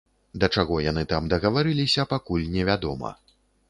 Да чаго яны там дагаварыліся, пакуль невядома.